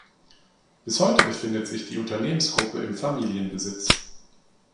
Bis heute befindet sich die Unternehmensgruppe im Familienbesitz.